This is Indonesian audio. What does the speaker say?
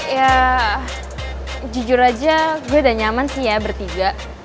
ya jujur aja gue udah nyaman sih ya bertiga